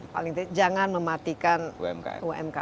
paling tidak jangan mematikan umkm